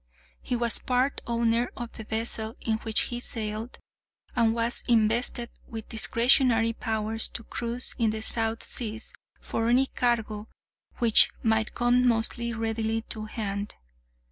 He was part owner of the vessel in which he sailed, and was invested with discretionary powers to cruise in the South Seas for any cargo which might come most readily to hand.